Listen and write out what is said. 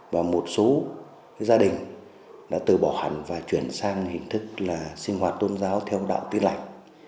và một số gia đình đã từ bỏ hẳn và chuyển sang hình thức là sinh hoạt tôn giáo theo đạo tuyên lạc